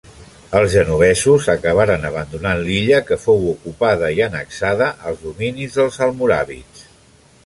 Els genovesos acabaren abandonant l'illa que fou ocupada i annexada als dominis dels almoràvits.